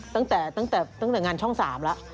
ตั้งแต่งานช่อง๓แหละ